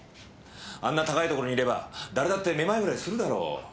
あんな高いところにいれば誰だってめまいぐらいするだろう。